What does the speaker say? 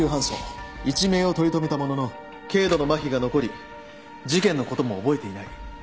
一命を取り留めたものの軽度のまひが残り事件のことも覚えていない。